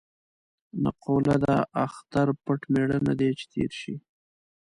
نقوله ده: اختر پټ مېړه نه دی چې تېر شي.